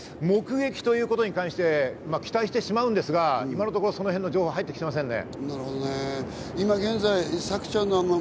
ですから、目撃ということに関して期待してしまうんですが今のところ、そのへんの情報、入ってきていませんね。